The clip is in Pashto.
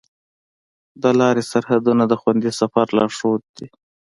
د لارې سرحدونه د خوندي سفر لارښود دي.